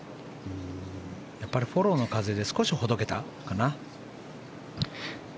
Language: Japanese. やっぱりフォローの風で少しほどけたかな。